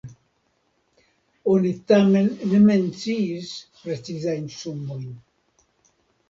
Oni tamen ne menciis precizajn sumojn.